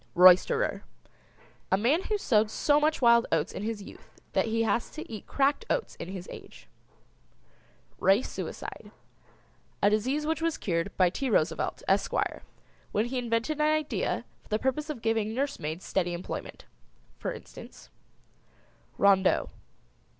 ROYSTERER. A man who sowed so much wild oats in his youth that he has to eat cracked oats in his age. RACE SUICIDE. A disease which was cured by T. Roosevelt, Esquire, when he invented an idea for the purpose of giving nursemaids steady employment. For instance: Rondeau.